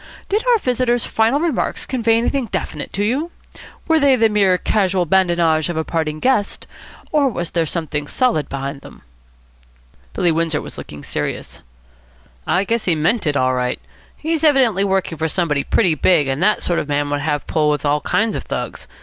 Did our visitor's final remarks convey anything definite to you? Were they the mere casual badinage of a parting guest, or was there something solid behind them?" Billy Windsor was looking serious. "I guess he meant it all right. He's evidently working for somebody pretty big, and that sort of man would have a pull with all kinds of Thugs.